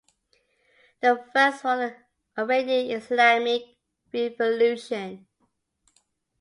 The first was the Iranian Islamic revolution.